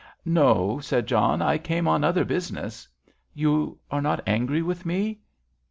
"No," said John; "I came on other business." "You are not angry with me?"